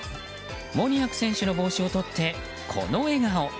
モニアク選手の帽子をとってこの笑顔。